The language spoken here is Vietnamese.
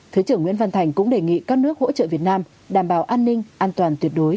thứ trưởng nguyễn văn thành cũng đề nghị các nước hỗ trợ việt nam đảm bảo an ninh an toàn tuyệt đối